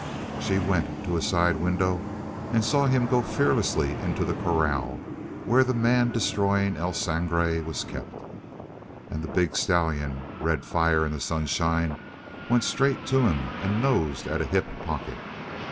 She went to a side window and saw him go fearlessly into the corral where the man destroying El Sangre was kept. And the big stallion, red fire in the sunshine, went straight to him and nosed at a hip pocket.